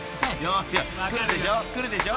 ［くるでしょ？